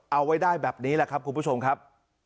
เอาไว้ได้แบบนี้แหละครับคุณผู้ชมครับ